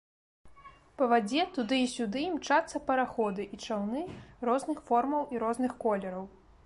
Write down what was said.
Па вадзе туды і сюды імчацца параходы і чаўны розных формаў і розных колераў.